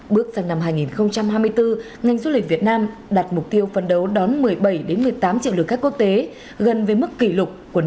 bước sang năm hai nghìn hai mươi bốn ngành du lịch việt nam đạt mục tiêu phấn đấu đón một mươi bảy một mươi tám triệu lượt khách quốc tế gần với mức kỷ lục của năm hai nghìn một mươi chín